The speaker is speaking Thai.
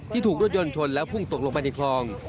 ถูกรถยนต์ชนแล้วพุ่งตกลงไปในคลอง